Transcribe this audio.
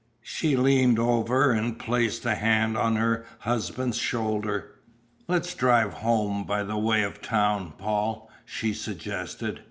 She leaned over and placed a hand on her husband's shoulder. "Let's drive home by way of town, Paul," she suggested.